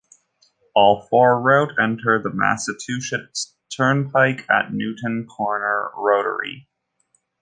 All four route enter the Massachusetts Turnpike at the Newton Corner rotary.